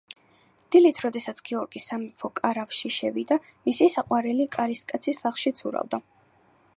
დილით, როდესაც გიორგი სამეფო კარავში შევიდა, მისი საყვარელი კარისკაცი სისხლში ცურავდა.